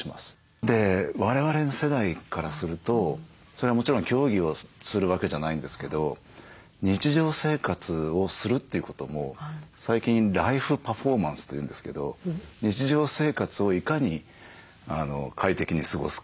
我々の世代からするとそれはもちろん競技をするわけじゃないんですけど日常生活をするということも最近ライフパフォーマンスというんですけど日常生活をいかに快適に過ごすか。